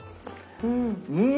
うん。